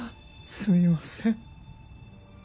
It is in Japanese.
すみません